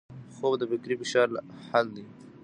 خوب د فکري فشار حل دی